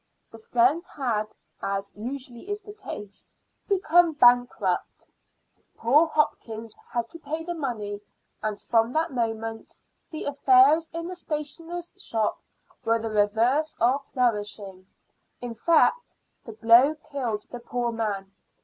The friend had, as usually is the case, become bankrupt. Poor Hopkins had to pay the money, and from that moment the affairs in the stationer's shop were the reverse of flourishing. In fact, the blow killed the poor man.